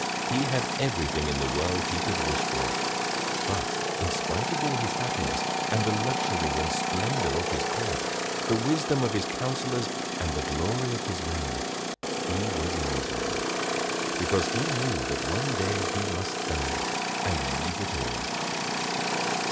He had everything in the world he could wish for, but in spite of all his happiness and the luxury and the splendor of his Court, the wisdom of his councilors and the glory of his reign, he was miserable because he knew that one day he must die and leave it all.